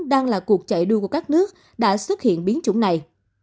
và cuộc chạy đua của các nước đã xuất hiện biến chủng này